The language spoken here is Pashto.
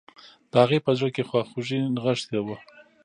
د هغې په زړه کې خواخوږي نغښتي وه